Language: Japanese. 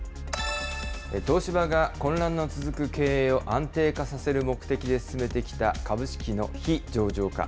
東芝が混乱の続く経営を安定化させる目的で進めてきた株式の非上場化。